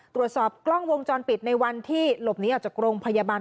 ตรวจสอบกล้องวงจรปิดในวันที่หลบหนีออกจากโรงพยาบาล